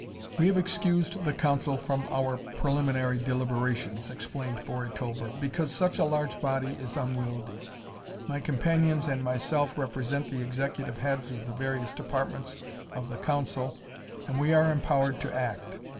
"We have excused the Council from our preliminary deliberations," explained Bori Tulber, "because such a large body is unwieldy. My companions and myself represent the executive heads of the various departments of the Council, and we are empowered to act."